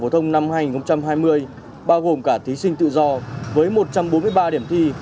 phổ thông năm hai nghìn hai mươi bao gồm cả thí sinh tự do với một trăm bốn mươi ba điểm thi